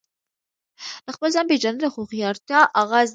د خپل ځان پیژندنه د هوښیارتیا آغاز دی.